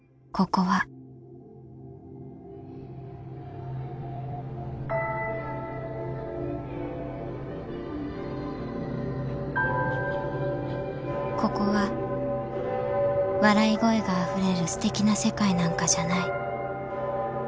［ここは笑い声があふれるすてきな世界なんかじゃない］